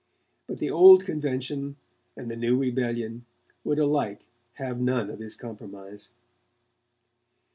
But the old convention and the new rebellion would alike have none of his compromise.